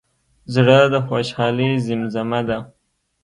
زړه د خوشحالۍ زیمزمه ده.